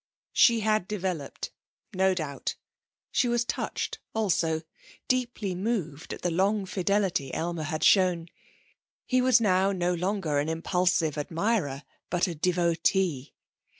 She had developed, no doubt. She was touched also, deeply moved at the long fidelity Aylmer had shown. He was now no longer an impulsive admirer, but a devotee.